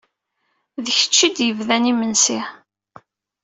D kecc ay d-yebdan imenɣi.